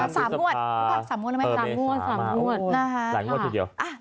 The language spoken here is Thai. สามงวดสามงวดสามงวดสามงวดหลายงวดทีเดียว